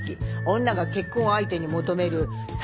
女が結婚相手に求める３高。